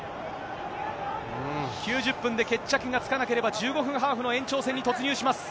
９０分で決着がつかなければ、１５分ハーフの延長戦に突入します。